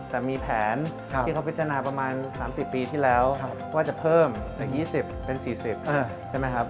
แต่มีแผนที่เขาพิจารณาประมาณ๓๐ปีที่แล้วว่าจะเพิ่มจาก๒๐เป็น๔๐ใช่ไหมครับ